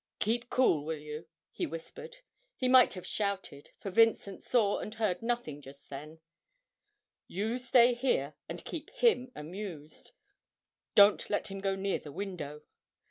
'Keep cool, will you,' he whispered (he might have shouted, for Vincent saw and heard nothing just then): 'you stay here and keep him amused don't let him go near the window!'